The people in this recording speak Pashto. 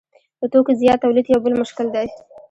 د توکو زیات تولید یو بل مشکل دی